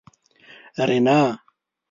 رینا